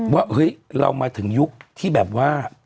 ว่าเฮ้ยเรามาถึงยุคที่แบบว่า